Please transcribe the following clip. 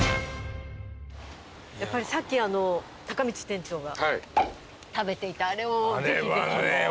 やっぱりさっきたかみち店長が食べていたあれをぜひぜひ。